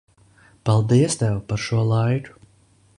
Paldies Tev, par šo laiku.